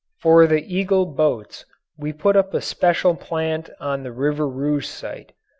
For the Eagle Boats we put up a special plant on the River Rouge site.